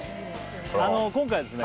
今回ですね